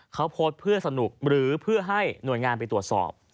เขาโพสต์เพื่อสนุกหรือเพื่อให้หน่วยงานไปตรวจสอบ